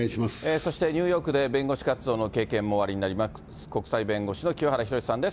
そしてニューヨークで弁護士活動の経験もおありになります、国際弁護士の清原博さんです。